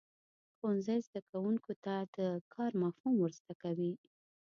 ښوونځی زده کوونکو ته د کار مفهوم ورزده کوي.